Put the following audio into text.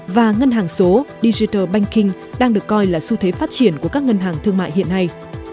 và ngân hàng số digital banking đang được coi là xu thế phát triển của các ngân hàng thương mại hiện nay